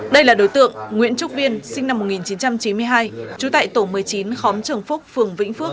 đây là đối tượng nguyễn trúc viên sinh năm một nghìn chín trăm chín mươi hai trú tại tổ một mươi chín khóm trường phúc phường vĩnh phước